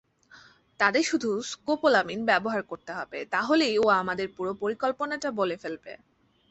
তাদের শুধু স্কোপোলামিন ব্যবহার করতে হবে, তাহলেই ও আমাদের পুরো পরিকল্পনাটা বলে ফেলবে।